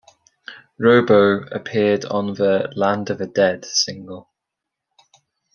Robo appeared on the "Land of the Dead" single.